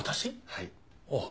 はい。